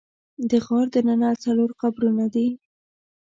د غار دننه څلور قبرونه دي.